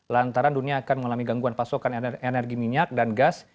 lantaran dunia akan mengalami gangguan pasokan energi minyak dan gas